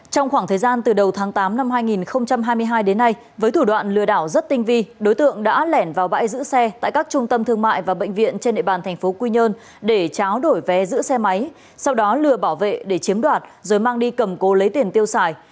trong khoảng thời gian từ đầu tháng tám năm hai nghìn hai mươi hai đến nay với thủ đoạn lừa đảo rất tinh vi đối tượng đã lẻn vào bãi giữ xe tại các trung tâm thương mại và bệnh viện trên địa bàn thành phố quy nhơn để tráo đổi vé giữ xe máy sau đó lừa bảo vệ để chiếm đoạt rồi mang đi cầm cố lấy tiền tiêu xài